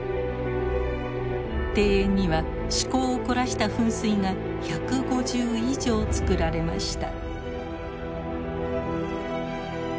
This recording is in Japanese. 庭園には趣向を凝らした噴水が１５０以上つくられました。